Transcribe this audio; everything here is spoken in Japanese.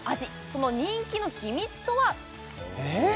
その人気の秘密とはえっ？